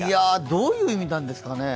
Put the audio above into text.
どういう意味なんですかね？